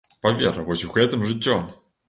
Павер, вось у гэтым жыццё.